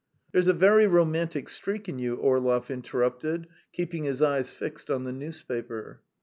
"There's a very romantic streak in you," Orlov interrupted, keeping his eyes fixed on the newspaper.